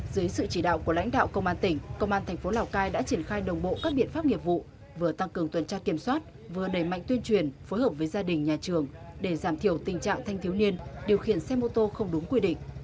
dưới sự chỉ đạo của lãnh đạo công an tỉnh công an thành phố lào cai đã triển khai đồng bộ các biện pháp nghiệp vụ vừa tăng cường tuần tra kiểm soát vừa đẩy mạnh tuyên truyền phối hợp với gia đình nhà trường để giảm thiểu tình trạng thanh thiếu niên điều khiển xe mô tô không đúng quy định